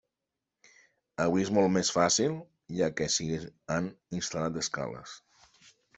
Avui és molt més fàcil, ja que s'hi han instal·lat escales.